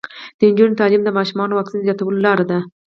د نجونو تعلیم د ماشومانو واکسین زیاتولو لاره ده.